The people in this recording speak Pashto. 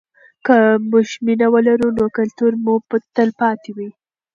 که موږ مینه ولرو نو کلتور مو تلپاتې وي.